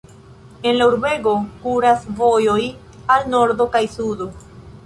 El la urbego kuras vojoj al nordo kaj sudo.